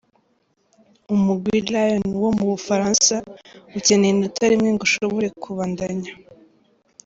Umugwi Lyon wo mu Bufaransa ukeneye inota rimwe ngo ushobore kubandanya.